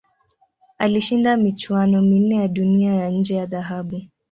Alishinda michuano minne ya Dunia ya nje ya dhahabu.